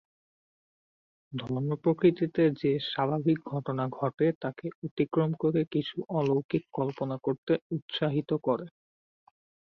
ধর্ম প্রকৃতিতে যে স্বাভাবিক ঘটনা ঘটে তাকে অতিক্রম করে কিছু অলৌকিক কল্পনা করতে উৎসাহিত করে।